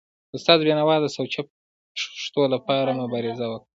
استاد بینوا د سوچه پښتو لپاره مبارزه وکړه.